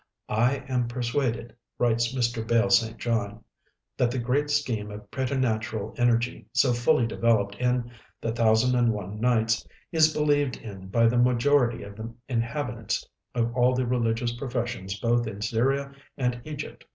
"I am persuaded," writes Mr. Bayle St. John, "that the great scheme of preternatural energy, so fully developed in 'The Thousand and One Nights,' is believed in by the majority of the inhabitants of all the religious professions both in Syria and Egypt."